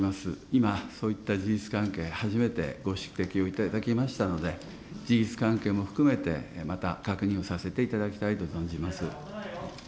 今、そういった事実関係、初めてご指摘を頂きましたので、事実関係も含めて、また確認をさせていただきたいと存じます。